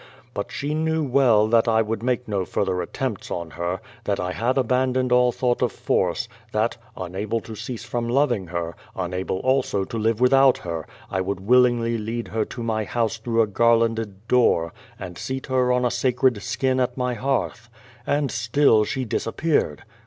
But she well knew that I would make no further at tempts on her, that I had abandoned all thought of force, that, unable to cease from loving her, unable also to live with out her, I would willingly lead her to my house through a garlanded door, and seat her on a sacred skin at my hearth. And still she disappeared.